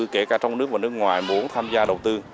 kể cả trong nước và nước ngoài muốn tham gia đầu tư